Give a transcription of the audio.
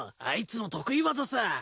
あいつの得意技さ。